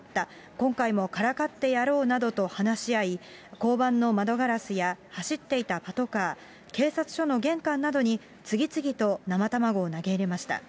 今回もからかってやろうなどと話し合い、交番の窓ガラスや、走っていたパトカー、警察署の玄関などに次々と生卵を投げ入れました。